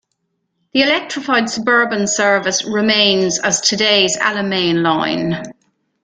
The electrified suburban service remains as today's Alamein line.